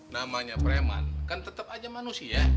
namanya preman kan tetap aja manusia